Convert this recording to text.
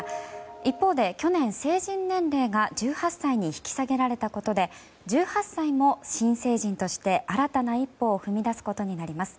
一方で去年、成人年齢が１８歳に引き下げられたことで１８歳も新成人として新たな一歩を踏み出すことになります。